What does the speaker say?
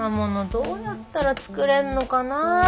どうやったら作れんのかなぁ。